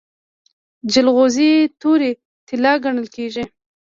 جلغوزي تورې طلا ګڼل کیږي.